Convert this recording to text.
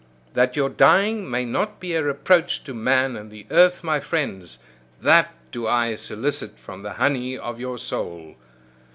That your dying may not be a reproach to man and the earth, my friends: that do I solicit from the honey of your soul.